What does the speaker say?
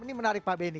ini menarik pak benny